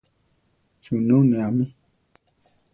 Suunú ne amí.